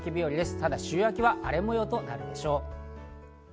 ただ週明けは荒れ模様となるでしょう。